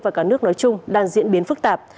và cả nước nói chung đang diễn biến phức tạp